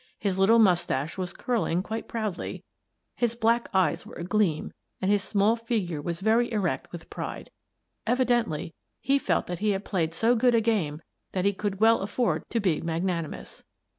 His little moustache was curling quite proudly, his black eyes were agleam, and his small figure was very erect with pride. Evidently, he felt that he had played so good a game that he could well afford to be magnanimous.